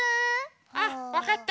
あっわかった。